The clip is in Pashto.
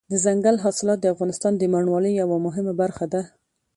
دځنګل حاصلات د افغانستان د بڼوالۍ یوه مهمه برخه ده.